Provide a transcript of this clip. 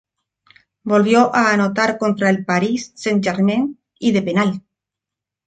Volvió a anotar contra el Paris Saint-Germain y de penal.